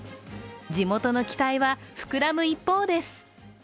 地元の期待は膨らむ一方です。